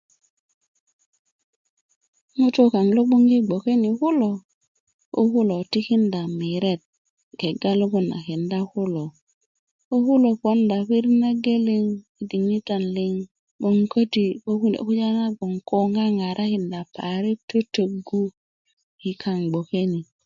ŋutuu kaŋ lo gboŋ i gboke ni kulo koo kulo tikinda miret kega logoŋ a kendá kulo koo kulo poda pirit na geleŋ dikitan liŋ 'boŋ köti' ko kune' kulya na gboŋ ko ŋaŋarakinda parik tötögu yi kaŋ gboke ni